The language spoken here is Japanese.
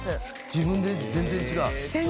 自分で全然違う？